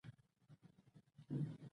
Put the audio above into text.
فارسي یوه رباعي ولوستله.